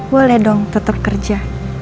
boleh dong tetep kerja